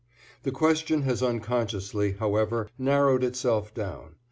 The question has unconsciously, however, narrowed itself down.